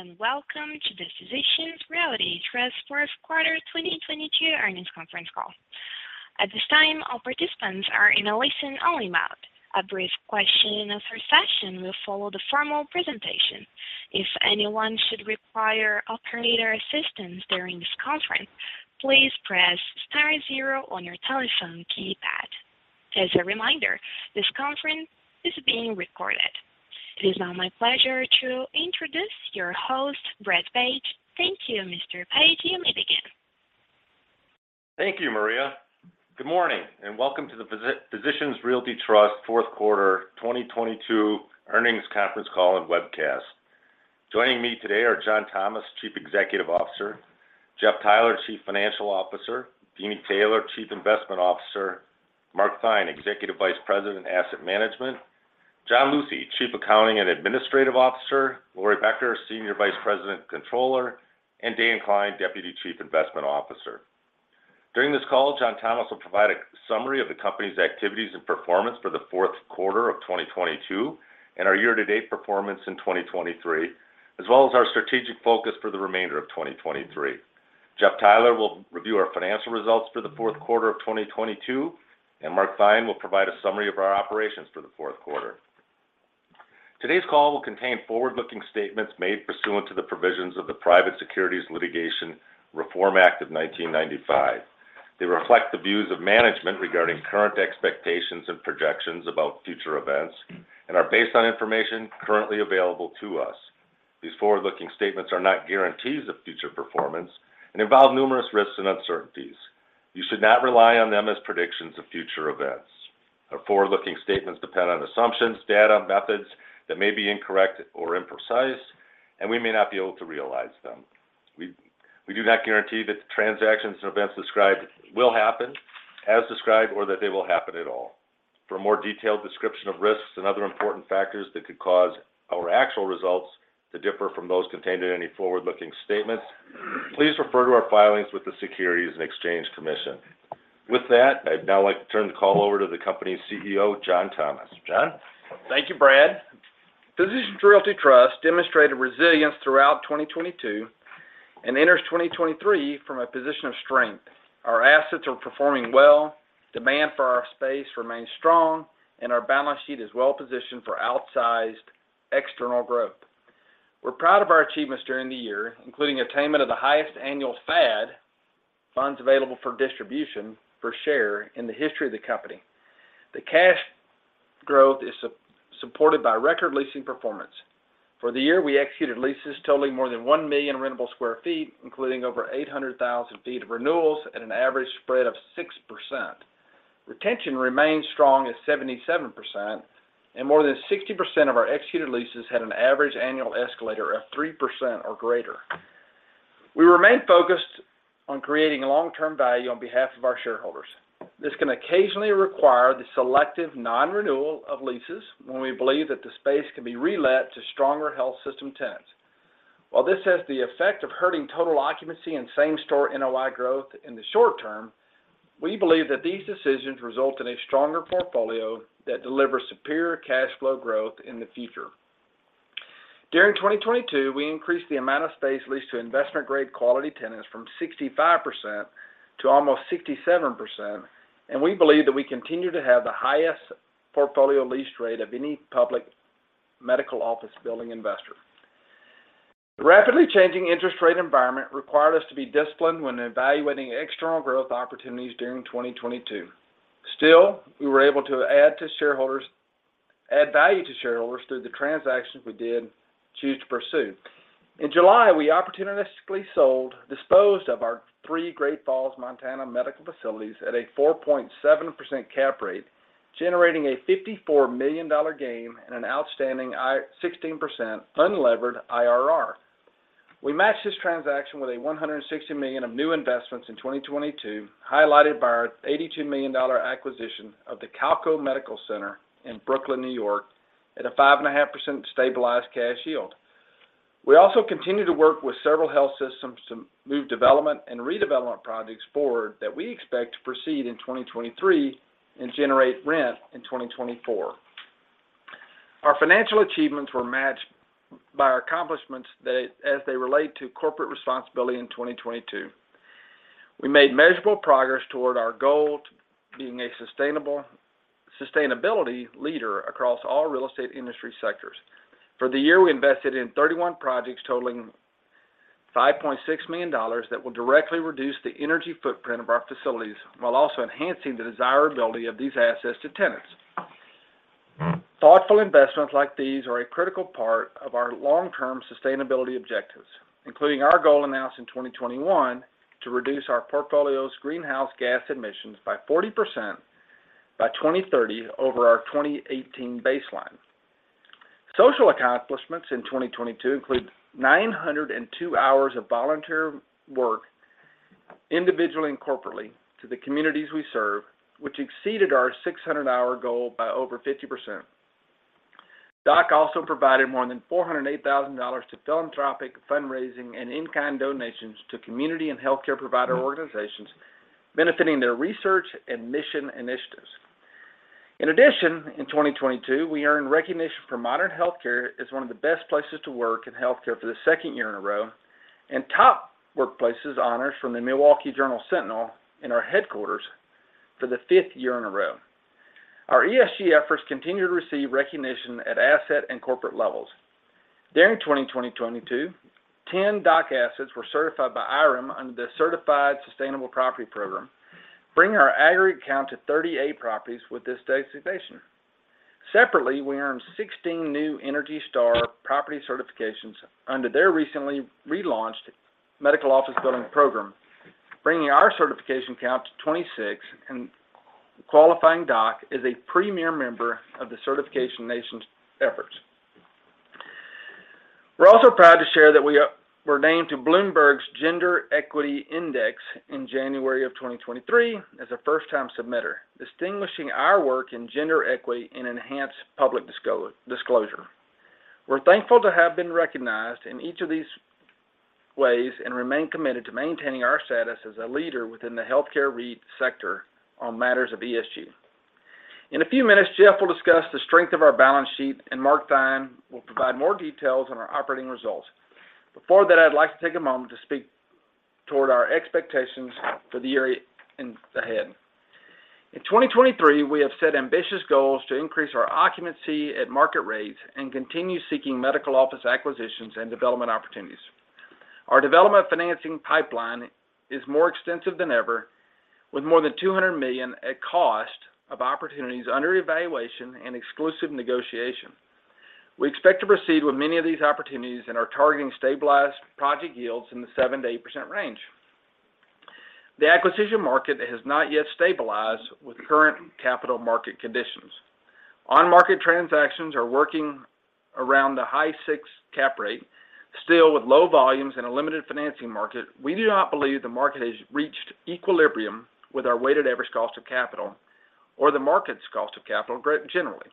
Greetings, welcome to the Physicians Realty Trust fourth quarter 2022 earnings conference call. At this time, all participants are in a listen-only mode. A brief question and answer session will follow the formal presentation. If anyone should require operator assistance during this conference, please press star zero on your telephone keypad. As a reminder, this conference is being recorded. It is now my pleasure to introduce your host, Brad Page. Thank you, Mr. Page. You may begin. Thank you, Maria. Good morning, welcome to the Physicians Realty Trust fourth quarter 2022 earnings conference call and webcast. Joining me today are John Thomas, Chief Executive Officer; Jeff Theiler, Chief Financial Officer; Deeni Taylor, Chief Investment Officer; Mark Theine, Executive Vice President, Asset Management; John W. Lucey, Chief Accounting and Administrative Officer; Laurie P. Becker, Senior Vice President and Controller; and Dan Klein, Deputy Chief Investment Officer. During this call, John Thomas will provide a summary of the company's activities and performance for the fourth quarter of 2022 and our year-to-date performance in 2023, as well as our strategic focus for the remainder of 2023. Jeff Theiler will review our financial results for the fourth quarter of 2022, and Mark Theine will provide a summary of our operations for the fourth quarter. Today's call will contain forward-looking statements made pursuant to the provisions of the Private Securities Litigation Reform Act of 1995. They reflect the views of management regarding current expectations and projections about future events and are based on information currently available to us. These forward-looking statements are not guarantees of future performance and involve numerous risks and uncertainties. You should not rely on them as predictions of future events. Our forward-looking statements depend on assumptions, data, methods that may be incorrect or imprecise, and we may not be able to realize them. We do not guarantee that the transactions and events described will happen as described, or that they will happen at all. For a more detailed description of risks and other important factors that could cause our actual results to differ from those contained in any forward-looking statements, please refer to our filings with the Securities and Exchange Commission. With that, I'd now like to turn the call over to the company's CEO, John Thomas. John? Thank you, Brad. Physicians Realty Trust demonstrated resilience throughout 2022 and enters 2023 from a position of strength. Our assets are performing well, demand for our space remains strong, and our balance sheet is well positioned for outsized external growth. We're proud of our achievements during the year, including attainment of the highest annual FAD, Funds Available for Distribution, per share in the history of the company. The cash growth is supported by record leasing performance. For the year, we executed leases totaling more than 1 million rentable sq ft, including over 800,000 feet of renewals at an average spread of 6%. Retention remains strong at 77%, and more than 60% of our executed leases had an average annual escalator of 3% or greater. We remain focused on creating long-term value on behalf of our shareholders. This can occasionally require the selective non-renewal of leases when we believe that the space can be relet to stronger health system tenants. While this has the effect of hurting total occupancy and same-store NOI growth in the short term, we believe that these decisions result in a stronger portfolio that delivers superior cash flow growth in the future. During 2022, we increased the amount of space leased to investment-grade quality tenants from 65% to almost 67%, and we believe that we continue to have the highest portfolio lease rate of any public medical office building investor. The rapidly changing interest rate environment required us to be disciplined when evaluating external growth opportunities during 2022. Still, we were able to add value to shareholders through the transactions we did choose to pursue. In July, we opportunistically sold, disposed of our three Great Falls, Montana medical facilities at a 4.7% cap rate, generating a $54 million gain and an outstanding 16% unlevered IRR. We matched this transaction with $160 million of new investments in 2022, highlighted by our $82 million acquisition of the Calko Medical Center in Brooklyn, New York at a 5.5% stabilized cash yield. We also continue to work with several health systems to move development and redevelopment projects forward that we expect to proceed in 2023 and generate rent in 2024. Our financial achievements were matched by our accomplishments as they relate to corporate responsibility in 2022. We made measurable progress toward our goal to being a sustainability leader across all real estate industry sectors. For the year, we invested in 31 projects totaling $5.6 million that will directly reduce the energy footprint of our facilities while also enhancing the desirability of these assets to tenants. Thoughtful investments like these are a critical part of our long-term sustainability objectives, including our goal announced in 2021 to reduce our portfolio's greenhouse gas emissions by 40% by 2030 over our 2018 baseline. Social accomplishments in 2022 include 902 hours of volunteer work individually and corporately to the communities we serve, which exceeded our 600 hour goal by over 50%. DOC also provided more than $408,000 to philanthropic fundraising and in-kind donations to community and healthcare provider organizations benefiting their research and mission initiatives. In addition, in 2022, we earned recognition for Modern Healthcare as one of the best places to work in healthcare for the second year in a row and top workplaces honors from the Milwaukee Journal Sentinel in our headquarters for the fifth year in a row. Our ESG efforts continue to receive recognition at asset and corporate levels. During 2022, 10 DOC assets were certified by IREM under the Certified Sustainable Property Program, bringing our aggregate count to 38 properties with this designation. Separately, we earned 16 new ENERGY STAR property certifications under their recently relaunched Medical Office Building Program, bringing our certification count to 26 and qualifying DOC as a premier member of the Certification Nation's efforts. We were also proud to share that we were named to Bloomberg Gender-Equality Index in January of 2023 as a first-time submitter, distinguishing our work in gender equity and enhanced public disclosure. We're thankful to have been recognized in each of these ways and remain committed to maintaining our status as a leader within the healthcare REIT sector on matters of ESG. In a few minutes, Jeff will discuss the strength of our balance sheet, and Mark Theine will provide more details on our operating results. Before that, I'd like to take a moment to speak toward our expectations for the year ahead. In 2023, we have set ambitious goals to increase our occupancy at market rates and continue seeking medical office acquisitions and development opportunities. Our development financing pipeline is more extensive than ever, with more than $200 million at cost of opportunities under evaluation and exclusive negotiation. We expect to proceed with many of these opportunities and are targeting stabilized project yields in the 7%-8% range. The acquisition market has not yet stabilized with current capital market conditions. On-market transactions are working around the high 6% cap rate. Still, with low volumes and a limited financing market, we do not believe the market has reached equilibrium with our weighted average cost of capital or the market's cost of capital generally.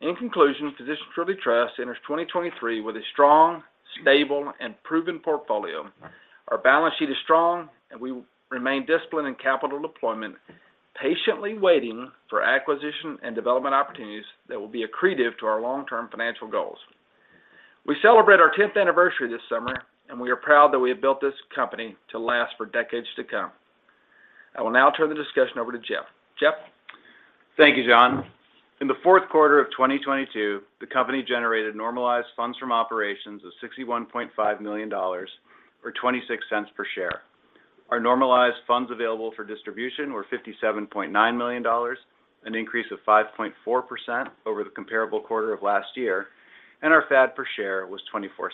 In conclusion, Physicians Realty Trust enters 2023 with a strong, stable, and proven portfolio. Our balance sheet is strong, and we remain disciplined in capital deployment, patiently waiting for acquisition and development opportunities that will be accretive to our long-term financial goals. We celebrate our tenth anniversary this summer, and we are proud that we have built this company to last for decades to come. I will now turn the discussion over to Jeff. Jeff? Thank you, John. In the fourth quarter of 2022, the company generated normalized funds from operations of $61.5 million or $0.26 per share. Our normalized Funds Available for Distribution were $57.9 million, an increase of 5.4% over the comparable quarter of last year, and our FAD per share was $0.24. For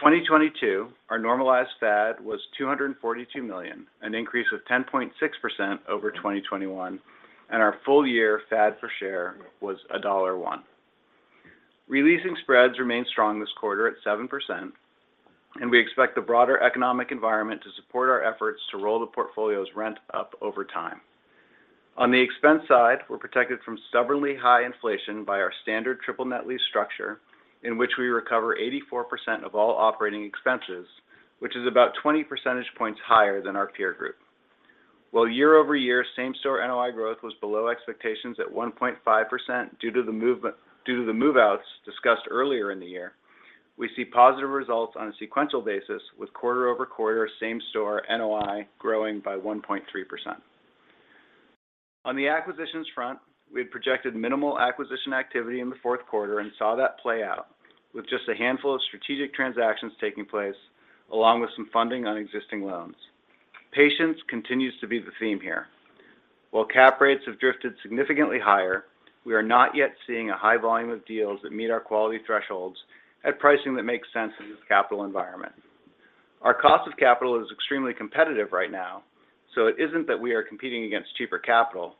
2022, our normalized FAD was $242 million, an increase of 10.6% over 2021, and our full-year FAD per share was $1.01. Releasing spreads remained strong this quarter at 7%, we expect the broader economic environment to support our efforts to roll the portfolio's rent up over time. On the expense side, we're protected from stubbornly high inflation by our standard triple net lease structure, in which we recover 84% of all operating expenses, which is about 20 percentage points higher than our peer group. While year-over-year same-store NOI growth was below expectations at 1.5% due to the move-outs discussed earlier in the year, we see positive results on a sequential basis, with quarter-over-quarter same-store NOI growing by 1.3%. On the acquisitions front, we had projected minimal acquisition activity in the fourth quarter and saw that play out with just a handful of strategic transactions taking place, along with some funding on existing loans. Patience continues to be the theme here. While cap rates have drifted significantly higher, we are not yet seeing a high volume of deals that meet our quality thresholds at pricing that makes sense in this capital environment. Our cost of capital is extremely competitive right now, so it isn't that we are competing against cheaper capital.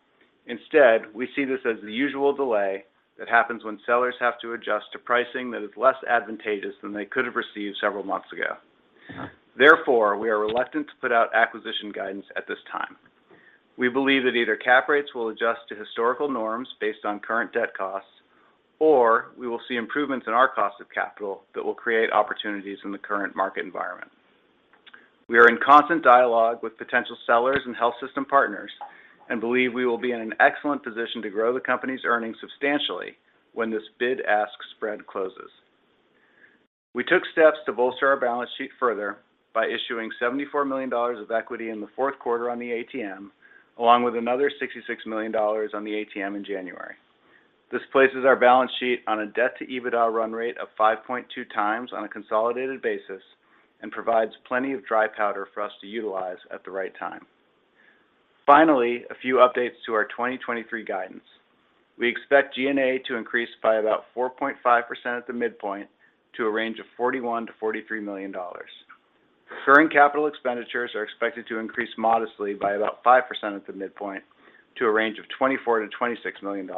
Instead, we see this as the usual delay that happens when sellers have to adjust to pricing that is less advantageous than they could have received several months ago. Therefore, we are reluctant to put out acquisition guidance at this time. We believe that either cap rates will adjust to historical norms based on current debt costs, or we will see improvements in our cost of capital that will create opportunities in the current market environment. We are in constant dialogue with potential sellers and health system partners and believe we will be in an excellent position to grow the company's earnings substantially when this bid-ask spread closes. We took steps to bolster our balance sheet further by issuing $74 million of equity in the fourth quarter on the ATM, along with another $66 million on the ATM in January. This places our balance sheet on a debt-to-EBITDA run rate of 5.2 times on a consolidated basis and provides plenty of dry powder for us to utilize at the right time. Finally, a few updates to our 2023 guidance. We expect G&A to increase by about 4.5% at the midpoint to a range of $41 million-$43 million. Current capital expenditures are expected to increase modestly by about 5% at the midpoint to a range of $24 million-$26 million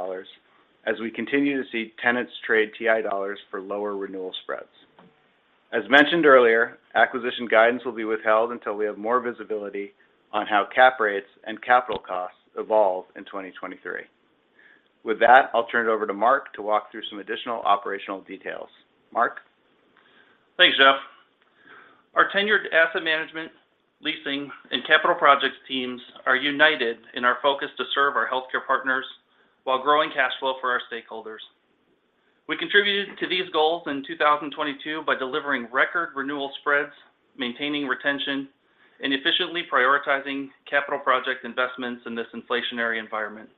as we continue to see tenants trade TI dollars for lower renewal spreads. As mentioned earlier, acquisition guidance will be withheld until we have more visibility on how cap rates and capital costs evolve in 2023. With that, I'll turn it over to Mark to walk through some additional operational details. Mark? Thanks, Jeff. Our tenured asset management, leasing, and capital projects teams are united in our focus to serve our healthcare partners while growing cash flow for our stakeholders. We contributed to these goals in 2022 by delivering record renewal spreads, maintaining retention, and efficiently prioritizing capital project investments in this inflationary environment.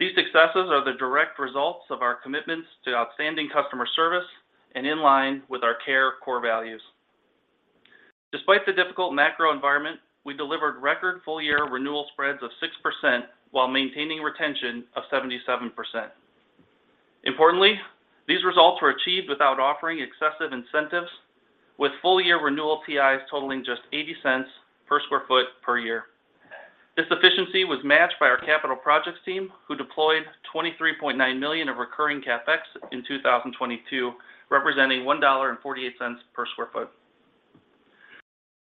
These successes are the direct results of our commitments to outstanding customer service and in line with our care core values. Despite the difficult macro environment, we delivered record full-year renewal spreads of 6% while maintaining retention of 77%. Importantly, these results were achieved without offering excessive incentives with full-year renewal TIs totaling just $0.80 per sq ft per year. This efficiency was matched by our CapEx team, who deployed $23.9 million of recurring CapEx in 2022, representing $1.48 per sq ft.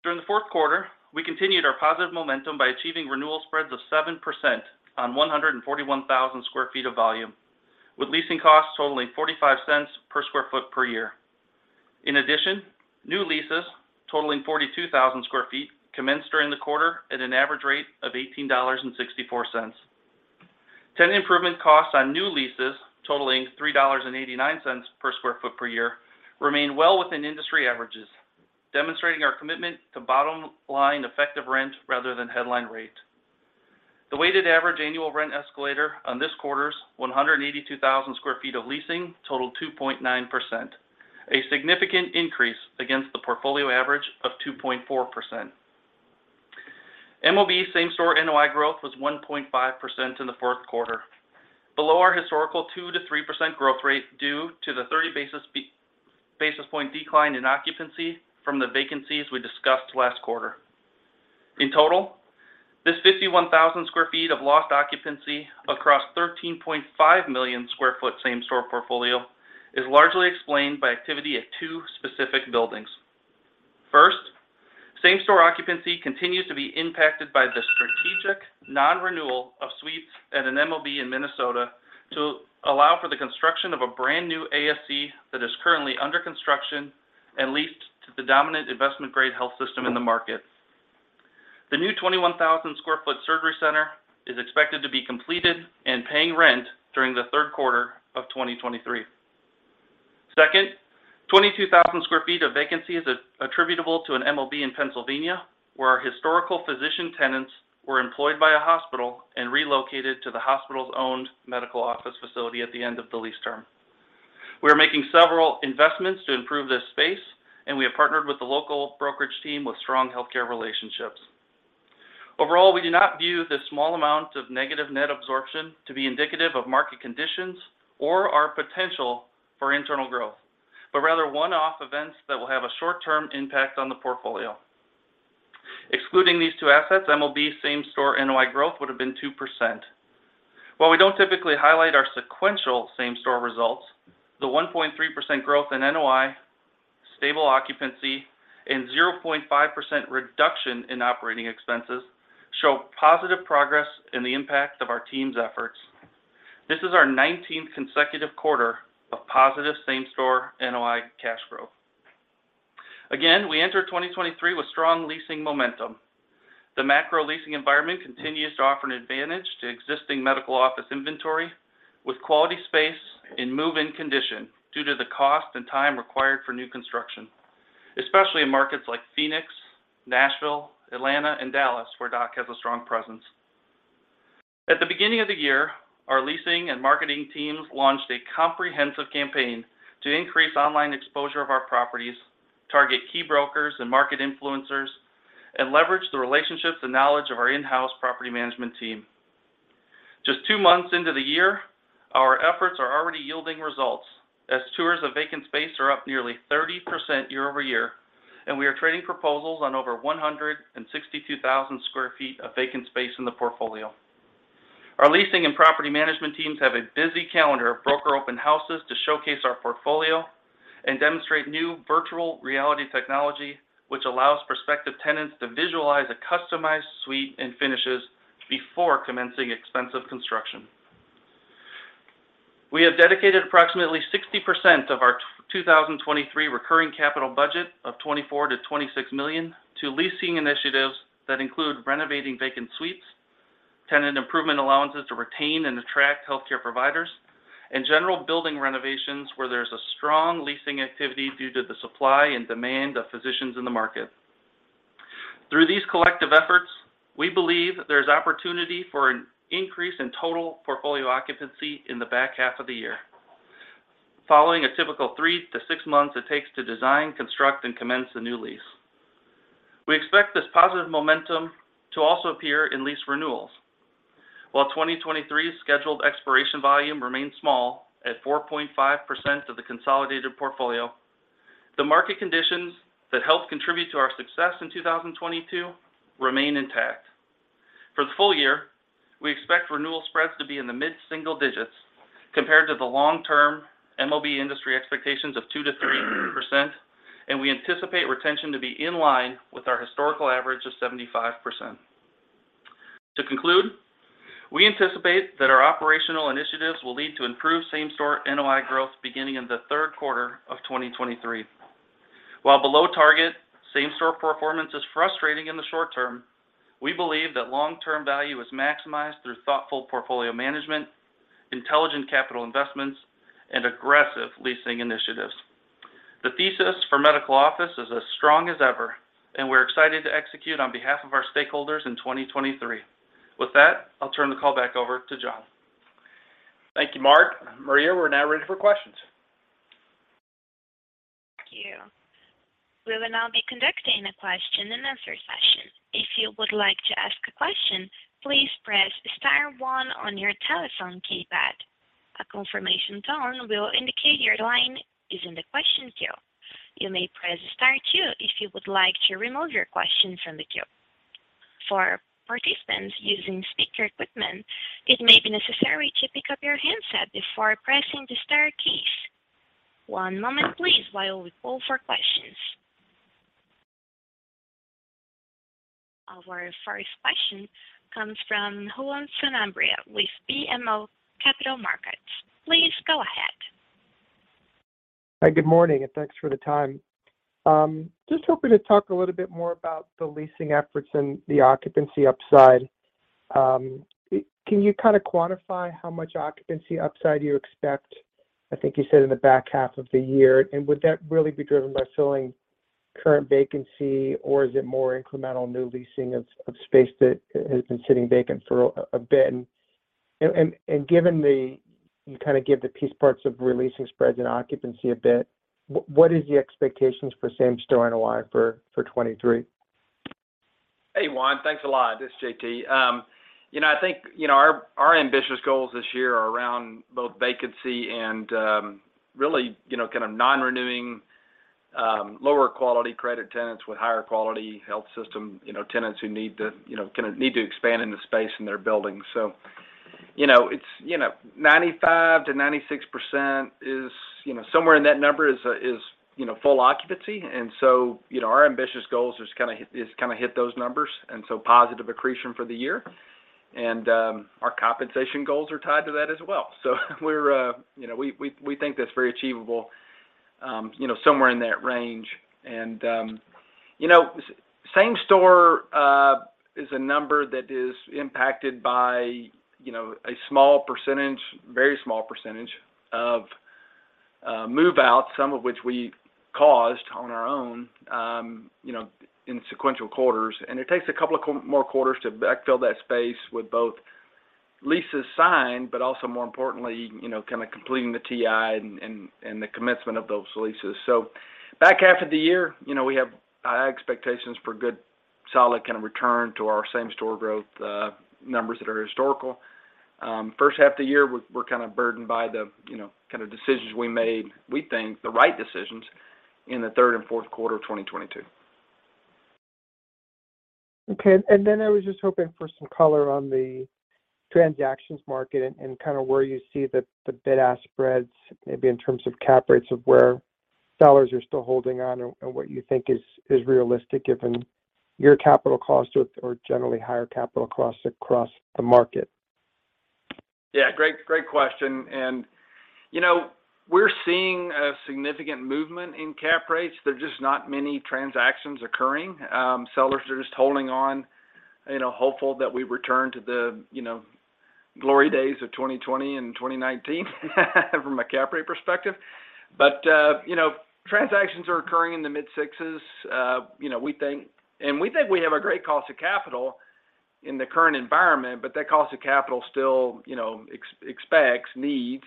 During the fourth quarter, we continued our positive momentum by achieving renewal spreads of 7% on 141,000 sq ft of volume, with leasing costs totaling $0.45 per sq ft per year. In addition, new leases totaling 42,000 sq ft commenced during the quarter at an average rate of $18.64. Tenant improvement costs on new leases totaling $3.89 per sq ft per year remain well within industry averages, demonstrating our commitment to bottom line effective rent rather than headline rate. The weighted average annual rent escalator on this quarter's 182,000 sq ft of leasing totaled 2.9%, a significant increase against the portfolio average of 2.4%. MOB same-store NOI growth was 1.5% in the fourth quarter, below our historical 2%-3% growth rate due to the 30 basis point decline in occupancy from the vacancies we discussed last quarter. In total, this 51,000 square feet of lost occupancy across 13.5 million square foot same-store portfolio is largely explained by activity at two specific buildings. First, same-store occupancy continues to be impacted by the strategic non-renewal of suites at an MOB in Minnesota to allow for the construction of a brand-new ASC that is currently under construction and leased to the dominant investment-grade health system in the market. The new 21,000 square foot surgery center is expected to be completed and paying rent during the third quarter of 2023. Second, 22,000 sq ft of vacancy is attributable to an MOB in Pennsylvania, where our historical physician tenants were employed by a hospital and relocated to the hospital's owned medical office facility at the end of the lease term. We are making several investments to improve this space. We have partnered with the local brokerage team with strong healthcare relationships. Overall, we do not view this small amount of negative net absorption to be indicative of market conditions or our potential for internal growth, but rather one-off events that will have a short-term impact on the portfolio. Excluding these two assets, MOB same-store NOI growth would have been 2%. While we don't typically highlight our sequential same-store results, the 1.3% growth in NOI, stable occupancy, and 0.5% reduction in operating expenses show positive progress in the impact of our team's efforts. This is our 19th consecutive quarter of positive same-store NOI cash growth. We enter 2023 with strong leasing momentum. The macro leasing environment continues to offer an advantage to existing medical office inventory with quality space in move-in condition due to the cost and time required for new construction, especially in markets like Phoenix, Nashville, Atlanta, and Dallas, where DOC has a strong presence. At the beginning of the year, our leasing and marketing teams launched a comprehensive campaign to increase online exposure of our properties, target key brokers and market influencers, and leverage the relationships and knowledge of our in-house property management team. Just two months into the year, our efforts are already yielding results as tours of vacant space are up nearly 30% year-over-year. We are trading proposals on over 162,000 sq ft of vacant space in the portfolio. Our leasing and property management teams have a busy calendar of broker open houses to showcase our portfolio and demonstrate new virtual reality technology, which allows prospective tenants to visualize a customized suite and finishes before commencing expensive construction. We have dedicated approximately 60% of our 2023 recurring capital budget of $24 million-$26 million to leasing initiatives that include renovating vacant suites, tenant improvement allowances to retain and attract healthcare providers, and general building renovations where there's a strong leasing activity due to the supply and demand of physicians in the market. Through these collective efforts, we believe there's opportunity for an increase in total portfolio occupancy in the back half of the year. Following a typical three-six months it takes to design, construct, and commence the new lease. We expect this positive momentum to also appear in lease renewals. While 2023's scheduled expiration volume remains small at 4.5% of the consolidated portfolio, the market conditions that helped contribute to our success in 2022 remain intact. For the full year, we expect renewal spreads to be in the mid-single digits compared to the long-term MOB industry expectations of 2%-3%, and we anticipate retention to be in line with our historical average of 75%. To conclude, we anticipate that our operational initiatives will lead to improved same-store NOI growth beginning in the third quarter of 2023. While below target, same-store performance is frustrating in the short term, we believe that long-term value is maximized through thoughtful portfolio management, intelligent capital investments, and aggressive leasing initiatives. The thesis for medical office is as strong as ever, we're excited to execute on behalf of our stakeholders in 2023. With that, I'll turn the call back over to John. Thank you, Mark. Maria, we're now ready for questions. Thank you. We will now be conducting a question and answer session. If you would like to ask a question, please press star one on your telephone keypad. A confirmation tone will indicate your line is in the question queue. You may press star two if you would like to remove your question from the queue. For participants using speaker equipment, it may be necessary to pick up your handset before pressing the star keys. One moment please while we poll for questions. Our first question comes from Juan Sanabria with BMO Capital Markets. Please go ahead. Hi, good morning, and thanks for the time. Just hoping to talk a little bit more about the leasing efforts and the occupancy upside. Can you kind of quantify how much occupancy upside you expect, I think you said in the back half of the year? Would that really be driven by filling current vacancy, or is it more incremental new leasing of space that has been sitting vacant for a bit? Given the... You kind of gave the piece parts of releasing spreads and occupancy a bit. What is the expectations for same-store NOI for 2023? Hey, Juan. Thanks a lot. This is JT. You know, I think, you know, our ambitious goals this year are around both vacancy and really, you know, kind of non-renewing, lower quality credit tenants with higher quality health system, you know, tenants who need to expand into space in their buildings. You know, it's, you know, 95%-96% is, you know, somewhere in that number is, you know, full occupancy. You know, our ambitious goal is just kind of hit those numbers, and so positive accretion for the year. Our compensation goals are tied to that as well. We're, you know, we think that's very achievable, you know, somewhere in that range. Same-store is a number that is impacted by, you know, a small percentage, very small percentage of move-outs, some of which we caused on our own, you know, in sequential quarters. It takes a couple of more quarters to backfill that space with both leases signed, but also more importantly, you know, kind of completing the TI and the commencement of those leases. Back half of the year, you know, we have high expectations for good solid kind of return to our same-store growth numbers that are historical. First half of the year, we're kind of burdened by the, you know, kind of decisions we made, we think the right decisions, in the third and fourth quarter of 2022. Okay. Then I was just hoping for some color on the transactions market and kind of where you see the bid-ask spreads, maybe in terms of cap rates of where sellers are still holding on and what you think is realistic given your capital costs or generally higher capital costs across the market. Great question. You know, we're seeing a significant movement in cap rates. There are just not many transactions occurring. Sellers are just holding on, you know, hopeful that we return to the, you know, glory days of 2020 and 2019 from a cap rate perspective. You know, transactions are occurring in the mid-sixes. You know, we think we have a great cost of capital in the current environment, but that cost of capital still, you know, needs,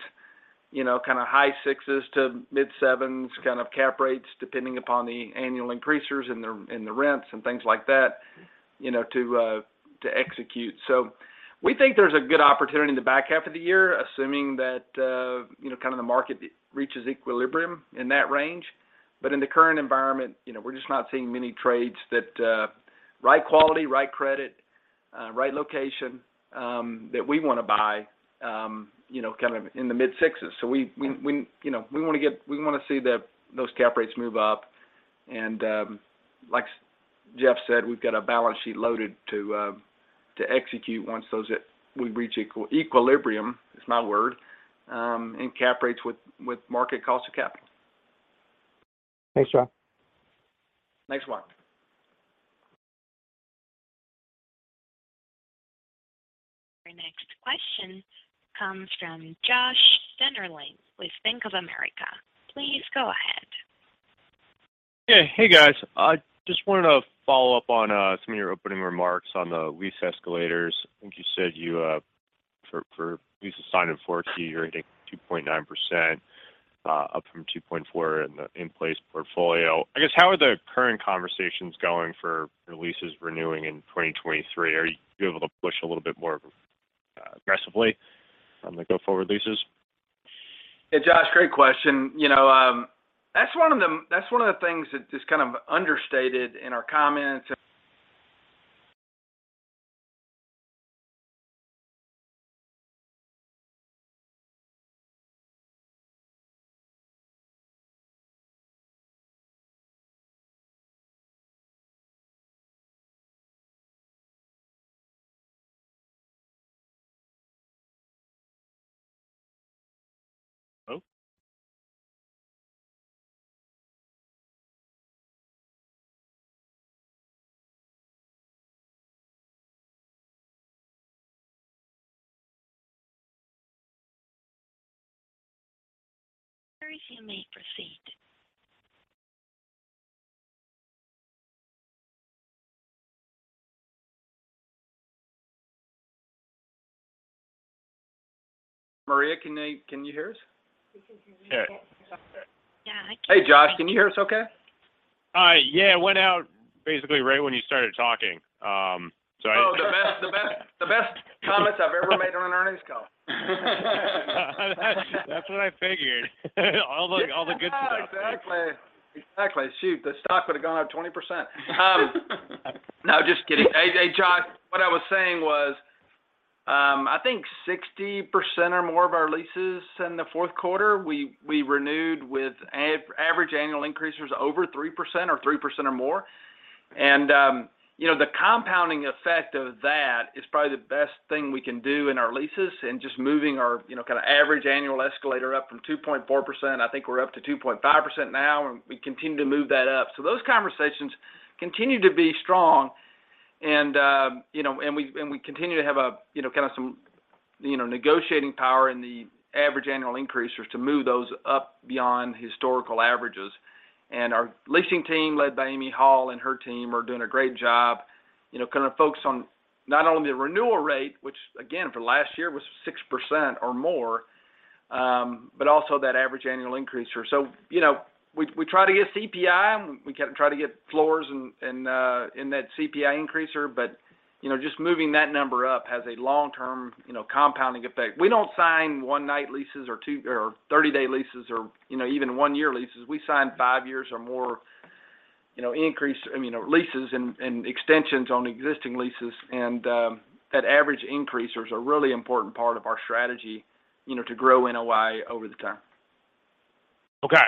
you know, kind of high sixes to mid-sevens kind of cap rates, depending upon the annual increases in the, in the rents and things like that, you know, to execute. We think there's a good opportunity in the back half of the year, assuming that, you know, kind of the market reaches equilibrium in that range. In the current environment, you know, we're just not seeing many trades that, right quality, right credit, right location, that we wanna buy, you know, kind of in the mid-sixes. We, you know, we wanna see the, those cap rates move up. Like Jeff said, we've got a balance sheet loaded to execute once those we reach equilibrium, is my word, and cap rates with market cost of capital. Thanks, y'all. Thanks, Juan. Our next question comes from Joshua Dennerlein with Bank of America. Please go ahead. Yeah. Hey, guys. I just wanted to follow up on some of your opening remarks on the lease escalators. I think you said you, for leases signed in 40, you're hitting 2.9%, up from 2.4 in the in-place portfolio. I guess, how are the current conversations going for your leases renewing in 2023? Are you able to push a little bit more aggressively on the go-forward leases? Yeah, Josh, great question. You know, that's one of the things that is kind of understated in our comments. you may proceed. can you hear us? Hey, Josh, can you hear us okay? Yeah, it went out basically right when you started talking. Oh, the best comments I've ever made on an earnings call. That's what I figured. All the good stuff. Exactly. Exactly. Shoot, the stock would have gone up 20%. No, just kidding. Hey, Josh, what I was saying was, I think 60% or more of our leases in the fourth quarter, we renewed with average annual increases over 3% or 3% or more. You know, the compounding effect of that is probably the best thing we can do in our leases and just moving our, you know, kind of average annual escalator up from 2.4%. I think we're up to 2.5% now, and we continue to move that up. Those conversations continue to be strong and, you know, and we continue to have a, you know, kind of some, you know, negotiating power in the average annual increases to move those up beyond historical averages. Our leasing team, led by Amy Hall and her team, are doing a great job, you know, kind of focused on not only the renewal rate, which again for last year was 6% or more, but also that average annual increase. You know, we try to get CPI, we try to get floors in that CPI increaser, but, you know, just moving that number up has a long-term, you know, compounding effect. We don't sign one-night leases or 30-day leases or, you know, even one-year leases. We sign five years or more, you know, leases and extensions on existing leases. That average increase is a really important part of our strategy, you know, to grow NOI over the time. Okay.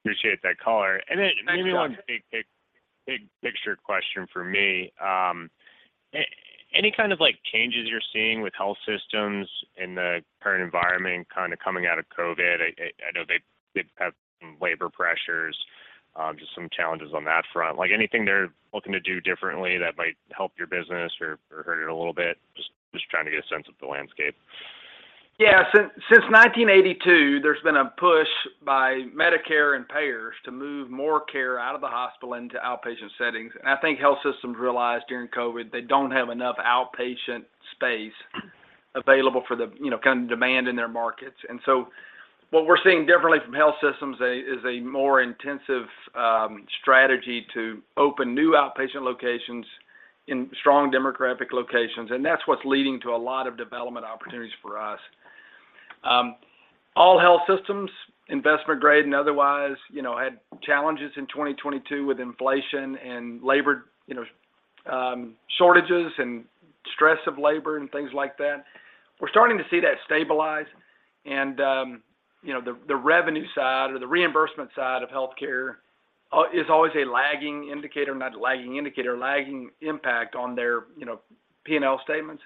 Appreciate that color. Thanks, Josh. Maybe one big picture question for me. Any kind of like changes you're seeing with health systems in the current environment kind of coming out of COVID? I know they did have some labor pressures, just some challenges on that front. Like, anything they're looking to do differently that might help your business or hurt it a little bit? Just trying to get a sense of the landscape. Yeah. Since 1982, there's been a push by Medicare and payers to move more care out of the hospital into outpatient settings. I think health systems realized during COVID they don't have enough outpatient space available for the, you know, kind of demand in their markets. What we're seeing differently from health systems is a more intensive strategy to open new outpatient locations in strong demographic locations, and that's what's leading to a lot of development opportunities for us. All health systems, investment grade and otherwise, you know, had challenges in 2022 with inflation and labor, you know, shortages and stress of labor and things like that. We're starting to see that stabilize and, you know, the revenue side or the reimbursement side of healthcare is always a lagging impact on their, you know, P&L statements.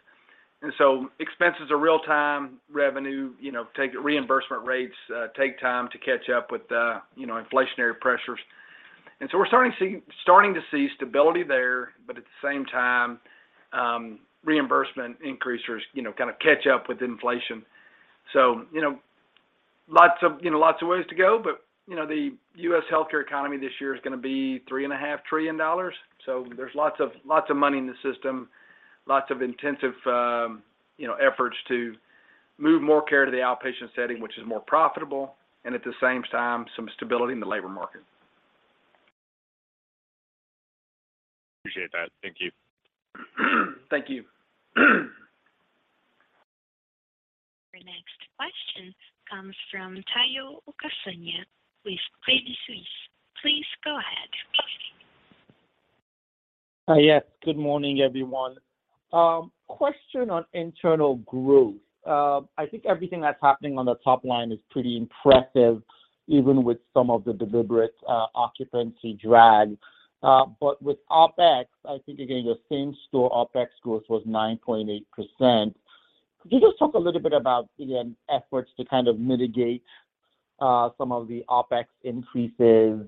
Expenses are real time. Revenue, you know, reimbursement rates take time to catch up with, you know, inflationary pressures. We're starting to see stability there, but at the same time, reimbursement increases, you know, kind of catch up with inflation. You know, lots of, you know, lots of ways to go, but, you know, the US healthcare economy this year is going to be $3.5 trillion. There's lots of money in the system, lots of intensive, you know, efforts to move more care to the outpatient setting, which is more profitable, and at the same time, some stability in the labor market. Appreciate that. Thank you. Thank you. Your next question comes from Omotayo Okusanya with Credit Suisse. Please go ahead. Yes. Good morning, everyone. Question on internal growth. I think everything that's happening on the top line is pretty impressive, even with some of the deliberate occupancy drag. But with OpEx, I think, again, your same-store OpEx growth was 9.8%. Could you just talk a little bit about, again, efforts to kind of mitigate some of the OpEx increases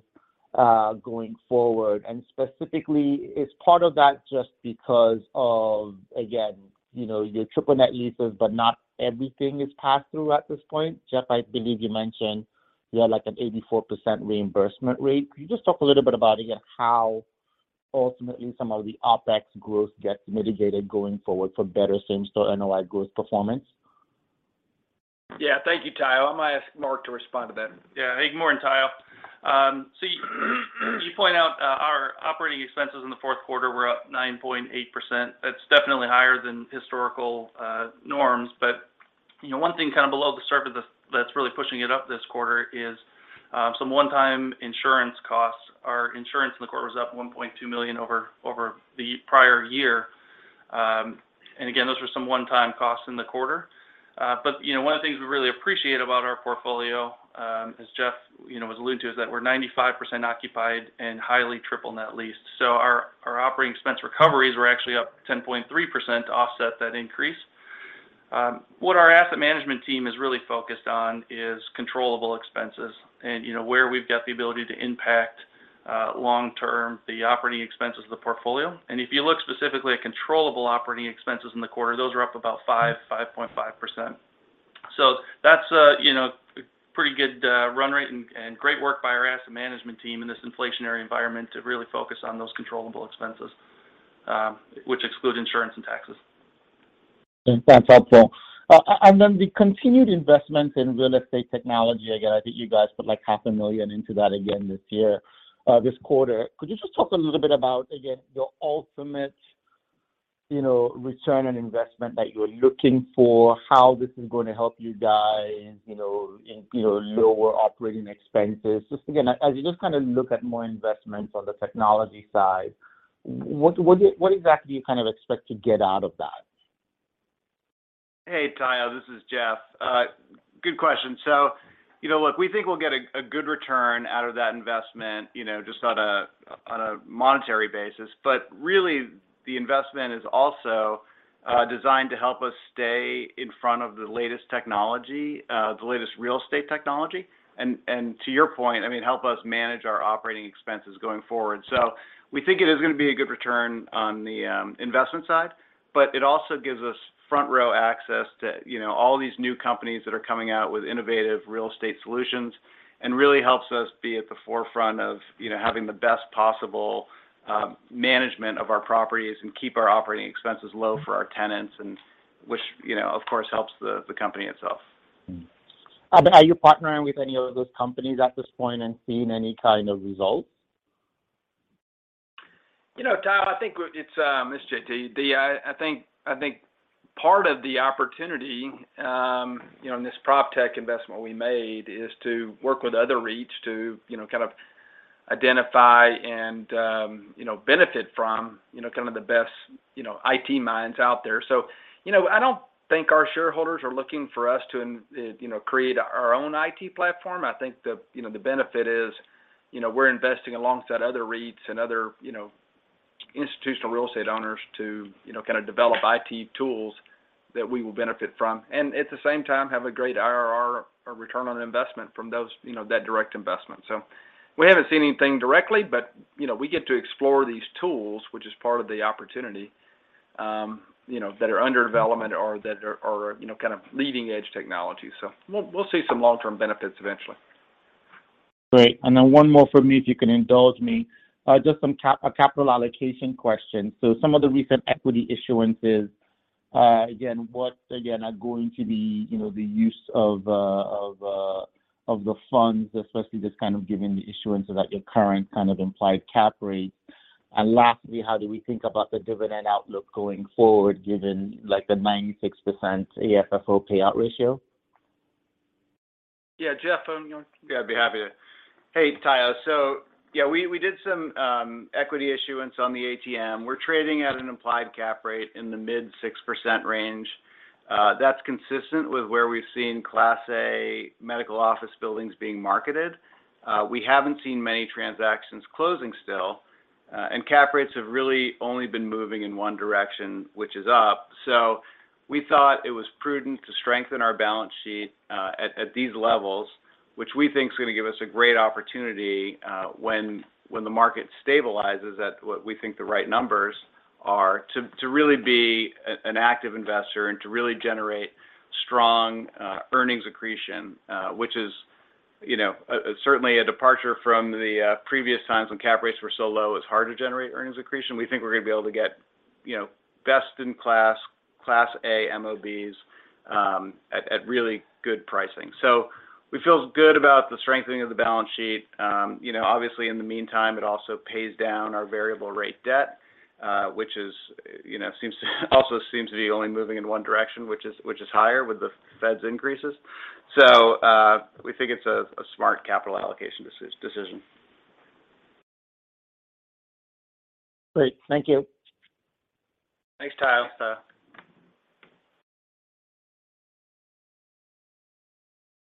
going forward? Specifically, is part of that just because of, again, you know, your triple net leases, but not everything is passed through at this point? Jeff, I believe you mentioned you had like an 84% reimbursement rate. Can you just talk a little bit about, again, how ultimately some of the OpEx growth gets mitigated going forward for better same-store NOI growth performance? Thank you, Tayo. I'm going to ask Mark to respond to that. Yeah. Hey, good morning, Tayo. you point out, our operating expenses in the fourth quarter were up 9.8%. That's definitely higher than historical norms. you know, one thing kind of below the surface that's really pushing it up this quarter is some one-time insurance costs. Our insurance in the quarter was up $1.2 million over the prior year. Again, those were some one-time costs in the quarter. You know, one of the things we really appreciate about our portfolio, as Jeff, you know, has alluded to, is that we're 95% occupied and highly triple net leased. Our operating expense recoveries were actually up 10.3% to offset that increase. What our asset management team is really focused on is controllable expenses and, you know, where we've got the ability to impact long-term the operating expenses of the portfolio. If you look specifically at controllable operating expenses in the quarter, those are up about 5.5%. That's, you know, a pretty good run rate and great work by our asset management team in this inflationary environment to really focus on those controllable expenses, which excludes insurance and taxes. That's helpful. And then the continued investment in real estate technology, again, I think you guys put, like, half a million into that again this year, this quarter. Could you just talk a little bit about, again, the ultimate, you know, return on investment that you're looking for, how this is going to help you guys, you know, in, you know, lower operating expenses? Just again, as you just kind of look at more investments on the technology side, what exactly do you kind of expect to get out of that? Hey, Tayo, this is Jeff. Good question. You know, look, we think we'll get a good return out of that investment, you know, just on a monetary basis. Really, the investment is also designed to help us stay in front of the latest technology, the latest real estate technology. To your point, I mean, help us manage our operating expenses going forward. We think it is gonna be a good return on the investment side, but it also gives us front row access to, you know, all these new companies that are coming out with innovative real estate solutions and really helps us be at the forefront of, you know, having the best possible management of our properties and keep our operating expenses low for our tenants and which, you know, of course, helps the company itself. Are you partnering with any of those companies at this point and seeing any kind of results? You know, I think part of the opportunity, you know, in this PropTech investment we made is to work with other REITs to, you know, kind of identify and, you know, benefit from, you know, kind of the best, you know, IT minds out there. You know, I don't think our shareholders are looking for us to, you know, create our own IT platform. I think the, you know, the benefit is, you know, we're investing alongside other REITs and other, you know, institutional real estate owners to, you know, kind of develop IT tools that we will benefit from, and at the same time, have a great IRR or return on investment from those, you know, that direct investment. We haven't seen anything directly, but, you know, we get to explore these tools, which is part of the opportunity, you know, that are under development or that are, you know, kind of leading edge technology. We'll see some long term benefits eventually. Great. One more from me if you can indulge me. Just some capital allocation question. Some of the recent equity issuances, again, what again are going to be, you know, the use of the funds, especially just kind of given the issuance of like your current kind of implied cap rates? Lastly, how do we think about the dividend outlook going forward, given like the 96% AFFO payout ratio? Yeah. Jeff, you want... I'd be happy to. Hey, Tayo. We did some equity issuance on the ATM. We're trading at an implied cap rate in the mid 6% range. That's consistent with where we've seen Class A medical office buildings being marketed. We haven't seen many transactions closing still, and cap rates have really only been moving in one direction, which is up. We thought it was prudent to strengthen our balance sheet at these levels, which we think is gonna give us a great opportunity when the market stabilizes at what we think the right numbers are to really be an active investor and to really generate strong earnings accretion, which is, you know, certainly a departure from the previous times when cap rates were so low, it's hard to generate earnings accretion. We think we're gonna be able to get, you know, best in class A MOBs, at really good pricing. We feel good about the strengthening of the balance sheet. You know, obviously, in the meantime, it also pays down our variable rate debt, which is, you know, seems to also seems to be only moving in one direction, which is higher with the Fed's increases. We think it's a smart capital allocation decision. Great. Thank you. Thanks, Tayo.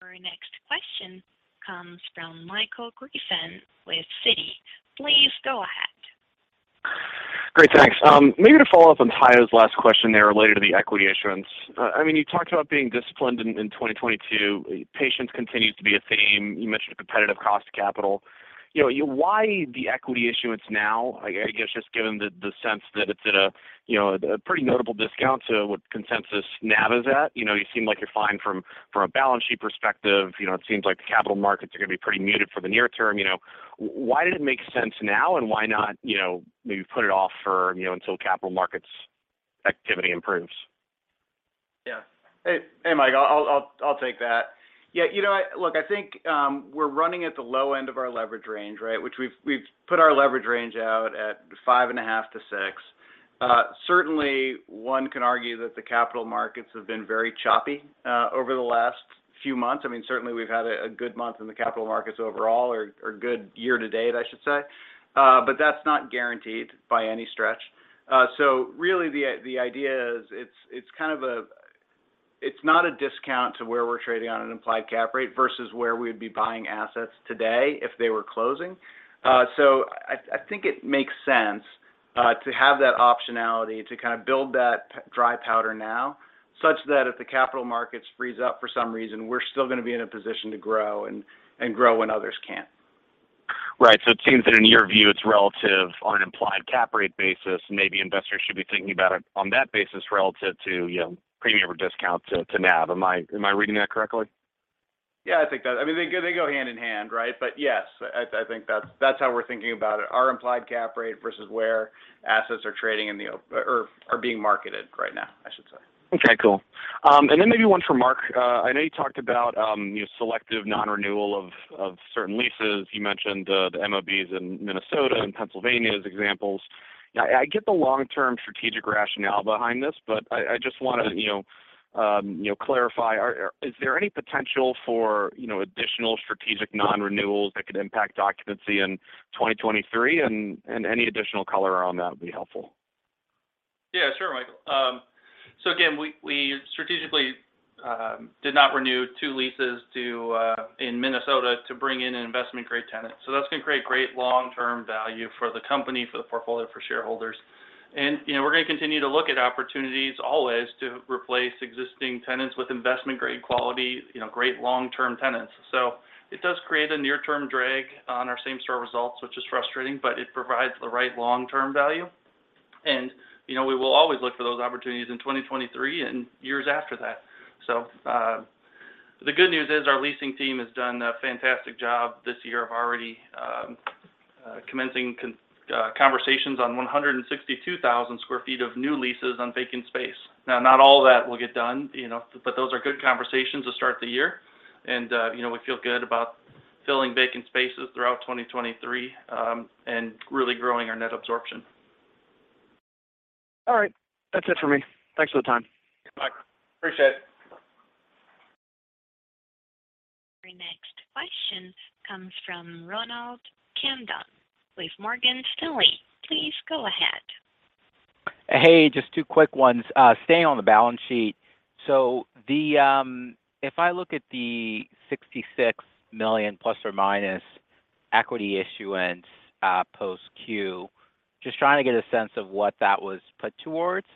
Our next question comes from Michael Griffin with Citi. Please go ahead. Great, thanks. Maybe to follow up on Tayo's last question there related to the equity issuance. I mean, you talked about being disciplined in 2022. Patience continues to be a theme. You mentioned competitive cost to capital. You know, why the equity issuance now? I guess just given the sense that it's at a, you know, a pretty notable discount to what consensus NAV is at. You know, you seem like you're fine from a balance sheet perspective. You know, it seems like the capital markets are gonna be pretty muted for the near term, you know. Why did it make sense now, and why not, you know, maybe put it off for, you know, until capital markets activity improves? Yeah. Hey Michael, I'll take that. Yeah, you know, look, I think, we're running at the low end of our leverage range, right? Which we've put our leverage range out at 5.5 to 6. Certainly one can argue that the capital markets have been very choppy, over the last few months. I mean, certainly we've had a good month in the capital markets overall, or good year to-date, I should say. That's not guaranteed by any stretch. Really the idea is it's not a discount to where we're trading on an implied cap rate versus where we'd be buying assets today if they were closing. I think it makes sense to have that optionality to kind of build that dry powder now, such that if the capital markets freeze up for some reason, we're still gonna be in a position to grow and grow when others can't. Right. It seems that in your view, it's relative on an implied cap rate basis, maybe investors should be thinking about it on that basis relative to, you know, premium or discount to NAV. Am I reading that correctly? Yeah, I think that. I mean, they go hand in hand, right? Yes, I think that's how we're thinking about it, our implied cap rate versus where assets are trading or being marketed right now, I should say. Okay, cool. Then maybe one for Mark. I know you talked about, you know, selective non-renewal of certain leases. You mentioned the MOBs in Minnesota and Pennsylvania as examples. I get the long-term strategic rationale behind this, but I just wanna, you know, clarify. Is there any potential for, you know, additional strategic non-renewals that could impact occupancy in 2023? Any additional color around that would be helpful. Yeah, sure, Michael. Again, we strategically did not renew two leases in Minnesota to bring in an investment grade tenant. That's going to create great long-term value for the company, for the portfolio, for shareholders. You know, we're going to continue to look at opportunities always to replace existing tenants with investment grade quality, you know, great long-term tenants. It does create a near term drag on our same store results, which is frustrating, but it provides the right long-term value. You know, we will always look for those opportunities in 2023 and years after that. The good news is our leasing team has done a fantastic job this year of already commencing conversations on 162,000 sq ft of new leases on vacant space. Now, not all that will get done, you know, but those are good conversations to start the year. You know, we feel good about filling vacant spaces throughout 2023 and really growing our net absorption. All right. That's it for me. Thanks for the time. Bye. Appreciate it. Our next question comes from Ronald Kamdem with Morgan Stanley. Please go ahead. Hey, just two quick ones. Staying on the balance sheet. If I look at the $66 million ± equity issuance, post 4Q, just trying to get a sense of what that was put towards.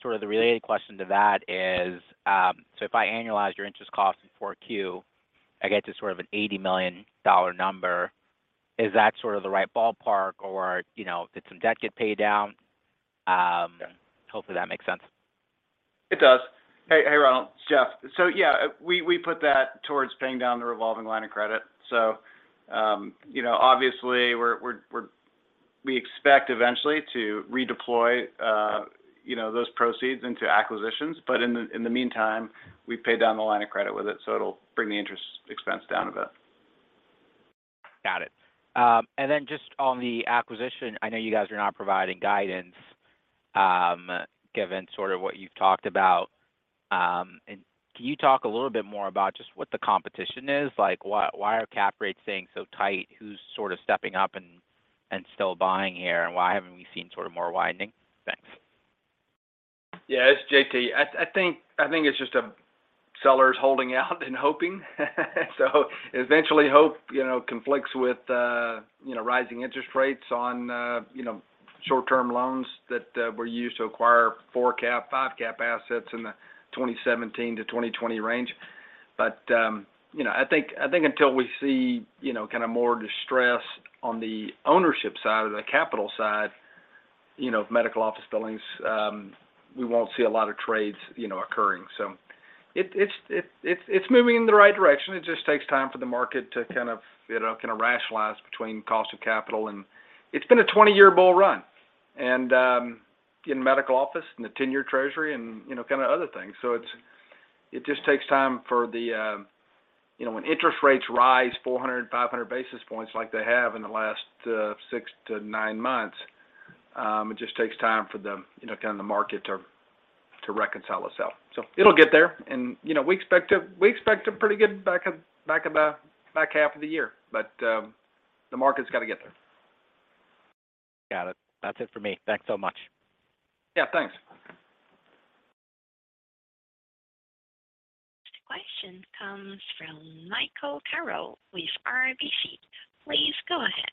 Sort of the related question to that is, if I annualize your interest cost in 4Q, I get to sort of an $80 million number. Is that sort of the right ballpark or, you know, did some debt get paid down? Yeah. Hopefully that makes sense. It does. Hey, Ronald. It's Jeff. Yeah, we put that towards paying down the revolving line of credit. You know, obviously we expect eventually to redeploy, you know, those proceeds into acquisitions. In the meantime, we pay down the line of credit with it, so it'll bring the interest expense down a bit. Got it. Then just on the acquisition, I know you guys are not providing guidance, given sort of what you've talked about. Can you talk a little bit more about just what the competition is? Like, why are cap rates staying so tight? Who's sort of stepping up and still buying here, and why haven't we seen sort of more widening? Thanks. Yeah. It's JT. I think it's just sellers holding out and hoping. Eventually hope, you know, conflicts with, you know, rising interest rates on, you know, short-term loans that were used to acquire four cap, five cap assets in the 2017 to 2020 range. I think until we see, you know, kind of more distress on the ownership side or the capital side, you know, of medical office buildings, we won't see a lot of trades, you know, occurring. It's moving in the right direction. It just takes time for the market to kind of, you know, kind of rationalize between cost of capital and. It's been a 20-year bull run and in medical office and the 10-year Treasury and, you know, kind of other things. It just takes time for the. You know, when interest rates rise 400, 500 basis points like they have in the last, six to nine months, it just takes time for the, you know, kind of the market to reconcile itself. It'll get there. You know, we expect a pretty good back half of the year. The market's got to get there. Got it. That's it for me. Thanks so much. Yeah, thanks. Next question comes from Michael Carroll with RBC. Please go ahead.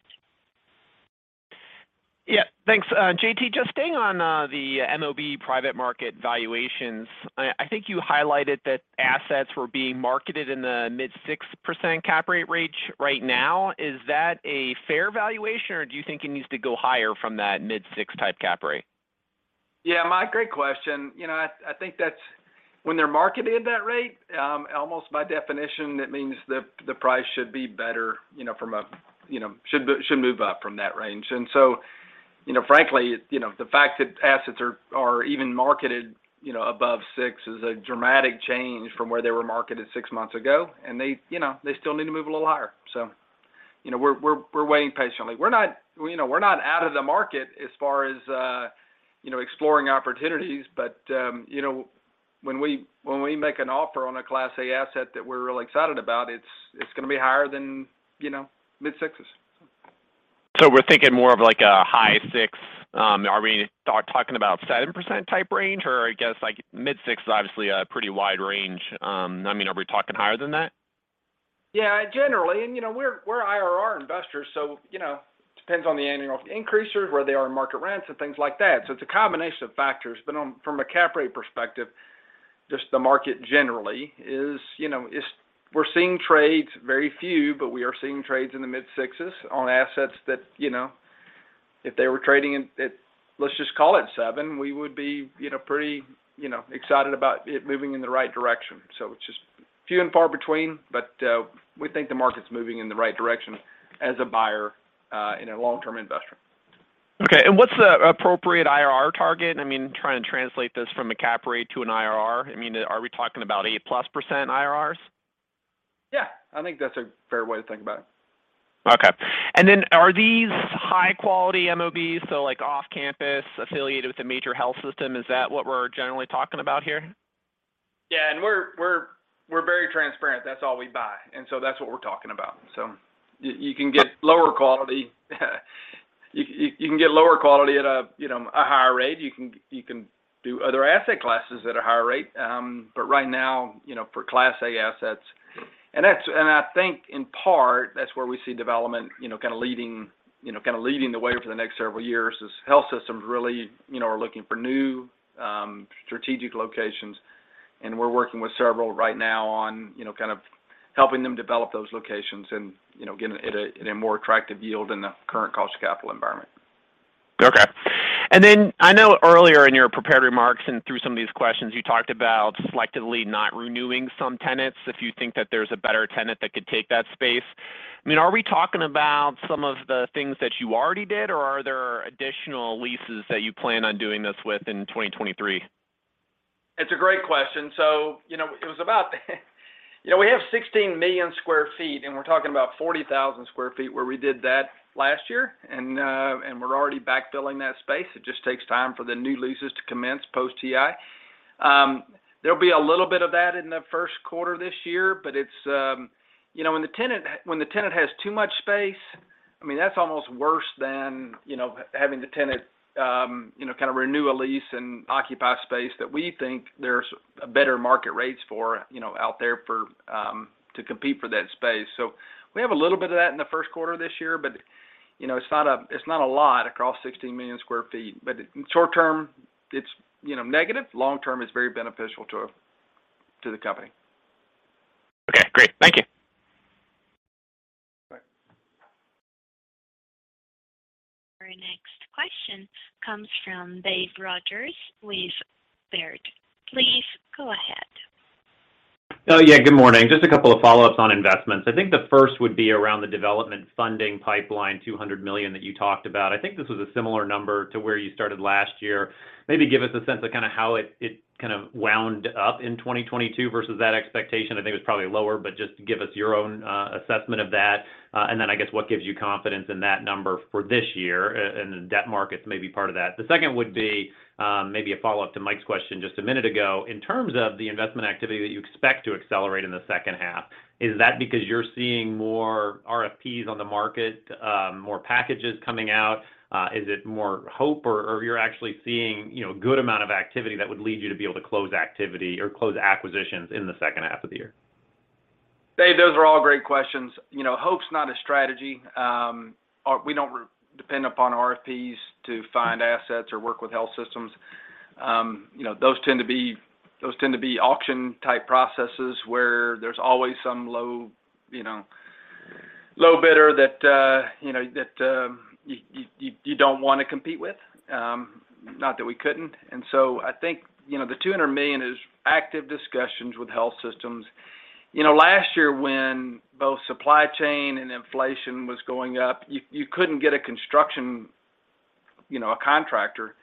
Yeah. Thanks. JT, just staying on the MOB private market valuations. I think you highlighted that assets were being marketed in the mid 6% cap rate range right now. Is that a fair valuation, or do you think it needs to go higher from that mid 6% type cap rate? Yeah, Mike, great question. You know, I think that's when they're marketed at that rate, almost by definition, it means the price should be better, you know, from a, you know, should move up from that range. Frankly, you know, the fact that assets are even marketed, you know, above six is a dramatic change from where they were marketed six months ago, and they, you know, they still need to move a little higher, so. You know, we're waiting patiently. We're not, you know, we're not out of the market as far as, you know, exploring opportunities, but, you know, when we make an offer on a Class A asset that we're really excited about, it's gonna be higher than, you know, mid-6s. We're thinking more of like a high 6%. Are we talking about 7% type range, or I guess like mid-6% is obviously a pretty wide range. I mean, are we talking higher than that? Yeah, generally. you know, we're IRR investors, so, you know, depends on the annual increases, where they are in market rents, and things like that. It's a combination of factors, but from a cap rate perspective, just the market generally is, you know, we're seeing trades, very few, but we are seeing trades in the mid-sixes on assets that, you know, if they were trading in, let's just call it seven, we would be, you know, pretty, you know, excited about it moving in the right direction. It's just few and far between, but we think the market's moving in the right direction as a buyer and a long-term investor. Okay, what's the appropriate IRR target? I mean, trying to translate this from a cap rate to an IRR. I mean, are we talking about 8%+ IRRs? Yeah, I think that's a fair way to think about it. Okay. Then are these high quality MOB, so like off campus, affiliated with a major health system? Is that what we're generally talking about here? Yeah, we're very transparent. That's all we buy, that's what we're talking about. You can get lower quality, you can get lower quality at a, you know, a higher rate. You can do other asset classes at a higher rate. Right now, you know, for Class A assets. That's, and I think in part, that's where we see development, you know, kind of leading the way for the next several years is health systems really, you know, are looking for new, strategic locations, and we're working with several right now on, you know, kind of helping them develop those locations and, you know, getting at a more attractive yield than the current cost of capital environment. Okay. I know earlier in your prepared remarks and through some of these questions, you talked about selectively not renewing some tenants if you think that there's a better tenant that could take that space. I mean, are we talking about some of the things that you already did, or are there additional leases that you plan on doing this with in 2023? It's a great question. You know, it was about, you know, we have 16 million square feet, and we're talking about 40,000 square feet where we did that last year. We're already backfilling that space. It just takes time for the new leases to commence post-TI. There'll be a little bit of that in the first quarter this year, but it's, you know, when the tenant has too much space, I mean, that's almost worse than, you know, having the tenant, you know, kind of renew a lease and occupy space that we think there's better market rates for, you know, out there for, to compete for that space. We have a little bit of that in the first quarter this year, but, you know, it's not a lot across 16 million square feet. Short term, it's, you know, negative. Long term, it's very beneficial to the company. Okay, great. Thank you. Bye. Our next question comes from Dave Rodgers with Baird. Please go ahead. Yeah, good morning. Just a couple of follow-ups on investments. I think the first would be around the development funding pipeline, $200 million that you talked about. I think this was a similar number to where you started last year. Maybe give us a sense of kind of how it kind of wound up in 2022 versus that expectation. I think it was probably lower, but just give us your own assessment of that. Then I guess what gives you confidence in that number for this year, and the debt markets may be part of that. The second would be, maybe a follow-up to Mike's question just a minute ago. In terms of the investment activity that you expect to accelerate in the second half, is that because you're seeing more RFPs on the market, more packages coming out? Is it more hope, or you're actually seeing, you know, good amount of activity that would lead you to be able to close activity or close acquisitions in the second half of the year? Dave, those are all great questions. You know, hope's not a strategy. We don't re-depend upon RFPs to find assets or work with health systems. You know, those tend to be auction type processes where there's always some low, you know, low bidder that, you know, that you don't wanna compete with, not that we couldn't. I think, you know, the $200 million is active discussions with health systems. You know, last year when both supply chain and inflation was going up, you couldn't get a construction, you know, a contractor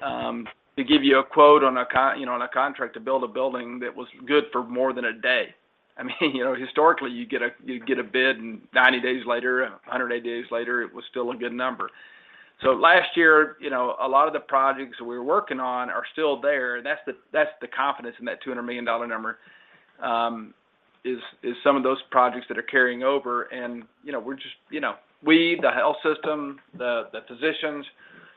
to give you a quote on a contract to build a building that was good for more than a day. I mean, you know, historically, you'd get a bid, 90 days later, 108 days later, it was still a good number. Last year, you know, a lot of the projects we were working on are still there. That's the confidence in that $200 million number is some of those projects that are carrying over. You know, we're just... You know, we, the health system, the physicians,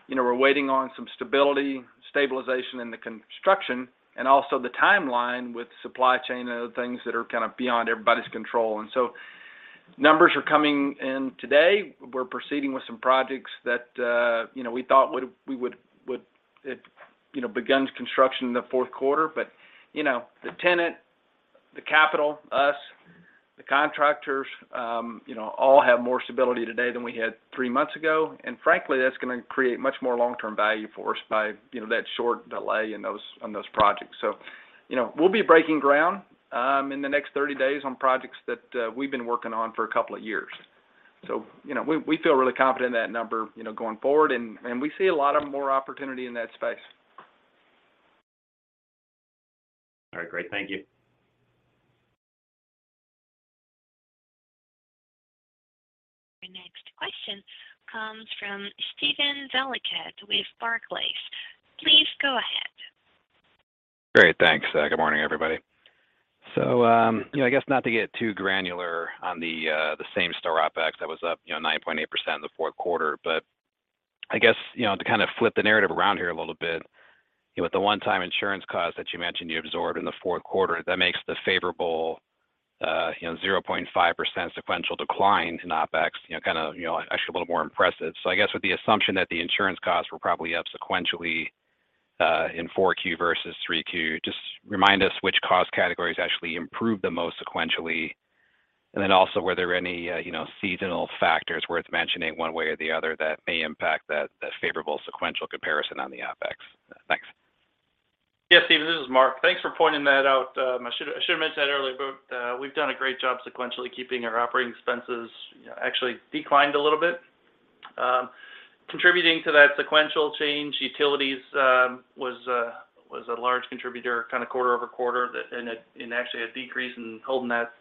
you know, we're waiting on some stability, stabilization in the construction and also the timeline with supply chain and other things that are kind of beyond everybody's control. Numbers are coming in today. We're proceeding with some projects that, you know, we thought we would begun construction in the fourth quarter. You know, the tenant, the capital, us, the contractors, you know, all have more stability today than we had three months ago. Frankly, that's gonna create much more long-term value for us by, you know, that short delay in those, on those projects. You know, we'll be breaking ground, in the next 30 days on projects that we've been working on for a couple of years. You know, we feel really confident in that number, you know, going forward, and we see a lot of more opportunity in that space. Great. Thank you. Your next question comes from Steve Valiquette with Barclays. Please go ahead. Great. Thanks. Good morning, everybody. I guess not to get too granular on the same-store OpEx that was up, you know, 9.8% in the fourth quarter. I guess, you know, to kind of flip the narrative around here a little bit, you know, with the one-time insurance cost that you mentioned you absorbed in the fourth quarter, that makes the favorable, you know, 0.5% sequential decline in OpEx, you know, kind of, you know, actually a little more impressive. I guess with the assumption that the insurance costs were probably up sequentially, in 4Q versus 3Q, just remind us which cost categories actually improved the most sequentially? Then also, were there any, you know, seasonal factors worth mentioning one way or the other that may impact that favorable sequential comparison on the OpEx? Thanks. Yeah, Steven, this is Mark. Thanks for pointing that out. I should have mentioned that earlier. We've done a great job sequentially keeping our operating expenses. You know, actually declined a little bit. Contributing to that sequential change, utilities was a large contributor kind of quarter-over-quarter that in actually a decrease in holding that,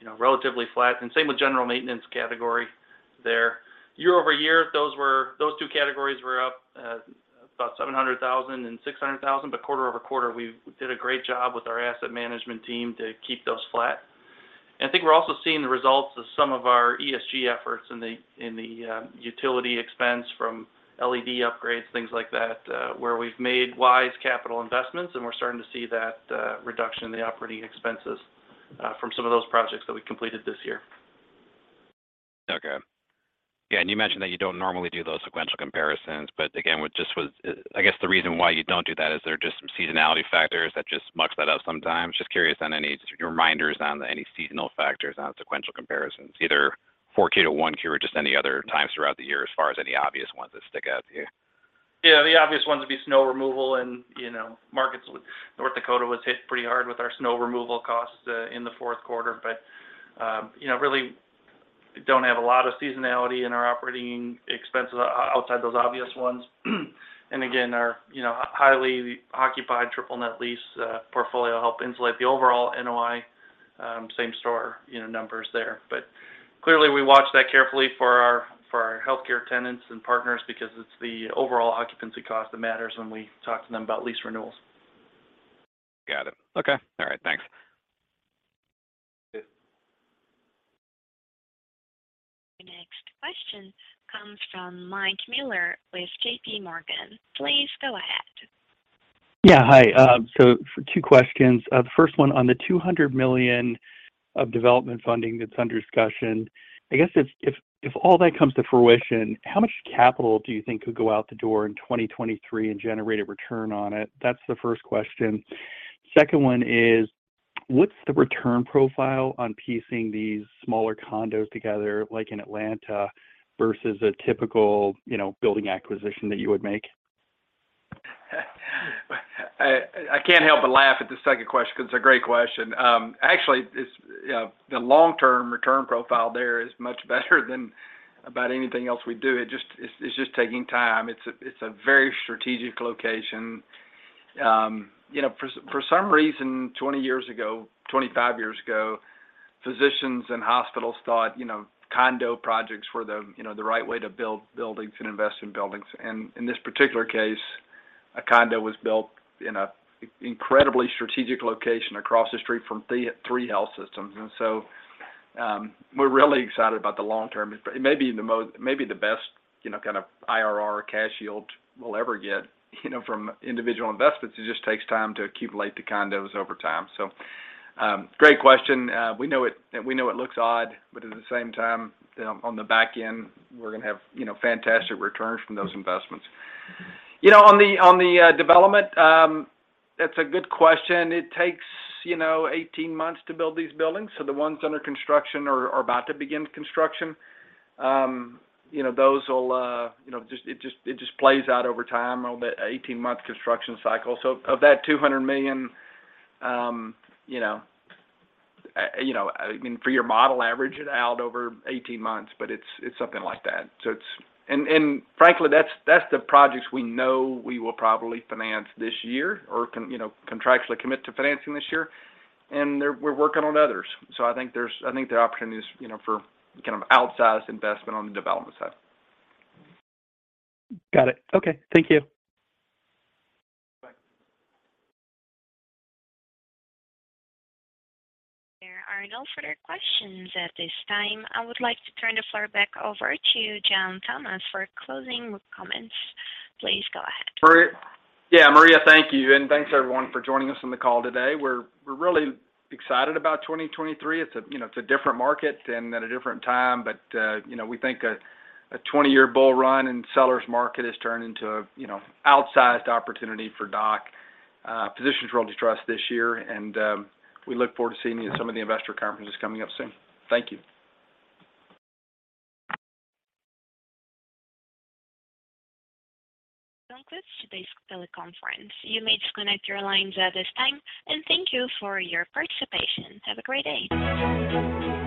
you know, relatively flat. Same with general maintenance category there. Year-over-year, those two categories were up about $700,000 and $600,000. Quarter-over-quarter, we did a great job with our Asset Management team to keep those flat. I think we're also seeing the results of some of our ESG efforts in the utility expense from LED upgrades, things like that, where we've made wise capital investments, and we're starting to see that reduction in the operating expenses from some of those projects that we completed this year. Okay. Yeah, you mentioned that you don't normally do those sequential comparisons. Again, with just I guess the reason why you don't do that, is there just some seasonality factors that just mucks that up sometimes? Just curious on any reminders on any seasonal factors on sequential comparisons, either 4Q to 1Q, or just any other times throughout the year as far as any obvious ones that stick out to you. Yeah. The obvious ones would be snow removal and, you know, markets with North Dakota was hit pretty hard with our snow removal costs in the fourth quarter. You know, really don't have a lot of seasonality in our operating expenses outside those obvious ones. Our, you know, highly occupied triple net lease portfolio help insulate the overall NOI, same store, you know, numbers there. Clearly, we watch that carefully for our, for our healthcare tenants and partners because it's the overall occupancy cost that matters when we talk to them about lease renewals. Got it. Okay. All right. Thanks. Yeah. Your next question comes from Mike Mueller with JPMorgan. Please go ahead. Yeah. Hi. Two questions. The first one, on the $200 million of development funding that's under discussion, I guess if all that comes to fruition, how much capital do you think could go out the door in 2023 and generate a return on it? That's the first question. Second one is, what's the return profile on piecing these smaller condos together, like in Atlanta, versus a typical, you know, building acquisition that you would make? I can't help but laugh at the second question because it's a great question. Actually it's the long-term return profile there is much better than about anything else we do. It's just taking time. It's a very strategic location. You know, for some reason, 20 years ago, 25 years ago, physicians and hospitals thought, you know, condo projects were the, you know, the right way to build buildings and invest in buildings. In this particular case, a condo was built in a incredibly strategic location across the street from three health systems. We're really excited about the long term. May be the best, you know, kind of IRR cash yield we'll ever get, you know, from individual investments. It just takes time to accumulate the condos over time. Great question. We know it, we know it looks odd, but at the same time, on the back end, we're gonna have, you know, fantastic returns from those investments. You know, on the, on the development, that's a good question. It takes, you know, 18 months to build these buildings. The ones under construction or about to begin construction, you know, those will, you know, it just plays out over time, a little bit, 18-month construction cycle. Of that $200 million, you know, you know, I mean, for your model, average it out over 18 months, but it's something like that. Frankly, that's the projects we know we will probably finance this year or contractually commit to financing this year, and they're... We're working on others. I think the opportunity is, you know, for kind of outsized investment on the development side. Got it. Okay. Thank you. Bye. There are no further questions at this time. I would like to turn the floor back over to John Thomas for closing comments. Please go ahead. Maria. Yeah. Maria, thank you, and thanks everyone for joining us on the call today. We're really excited about 2023. It's a, you know, different market and at a different time, but, you know, we think a 20-year bull run and sellers market has turned into a, you know, outsized opportunity for DOC, Physicians Realty Trust this year. We look forward to seeing you at some of the investor conferences coming up soon. Thank you. That concludes today's teleconference. You may disconnect your lines at this time, and thank you for your participation. Have a great day.